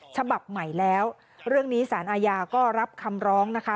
ฉบับใหม่แล้วเรื่องนี้สารอาญาก็รับคำร้องนะคะ